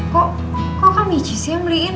kok kok kan michi sih yang beliin